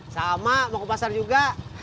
sama mau ke pasar juga